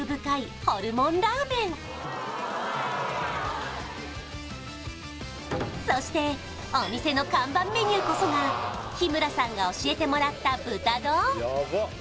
コク深いそしてお店の看板メニューこそが日村さんが教えてもらった豚丼